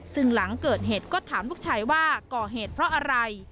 ซึ่งหลังเกิดเหตุก็ถามลูกชายว่าก่อเหตุเพราะอะไร